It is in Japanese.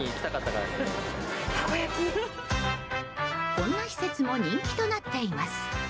こんな施設も人気となっています。